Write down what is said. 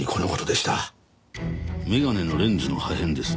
眼鏡のレンズの破片です。